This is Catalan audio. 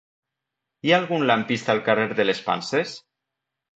Hi ha algun lampista al carrer de les Panses?